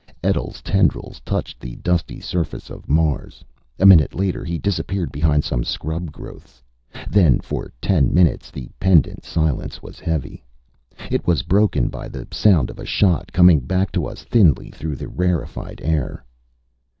Etl's tendrils touched the dusty surface of Mars. A minute later, he disappeared behind some scrub growths. Then, for ten minutes, the pendant silence was heavy. It was broken by the sound of a shot, coming back to us thinly through the rarefied air.